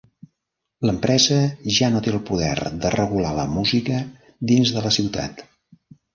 L'Empresa ja no té el poder de regular la música dins de la Ciutat.